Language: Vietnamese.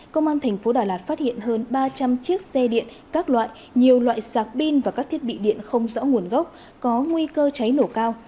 công an thành phố đà lạt phát hiện hơn ba trăm linh chiếc xe điện các loại nhiều loại sạc pin và các thiết bị điện không rõ nguồn gốc có nguy cơ cháy nổ cao